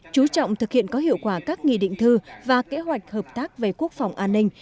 chú trọng thực hiện có hiệu quả các nghị định thư và kế hoạch hợp tác về quốc phòng an ninh